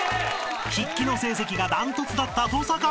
［筆記の成績が断トツだった登坂君！］